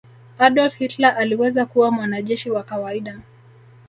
adolf hilter aliweza kuwa mwanajeshi wa kawaida